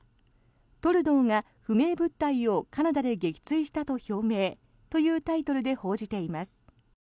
トルドーが不明物体をカナダで撃墜したと表明というタイトルで報じています。